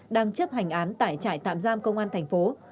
đang chấp hành án tại trại tạm giam công an thành phố